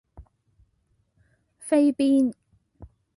飛邊